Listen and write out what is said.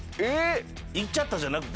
いっちゃったじゃなくて？